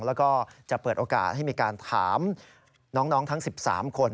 แล้วก็จะเปิดโอกาสให้มีการถามน้องทั้ง๑๓คน